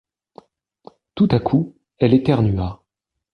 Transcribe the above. Tout à coup, elle éternua.